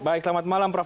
baik selamat malam prof